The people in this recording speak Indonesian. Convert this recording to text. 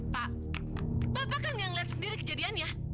pak bapak kan tidak melihat sendiri kejadiannya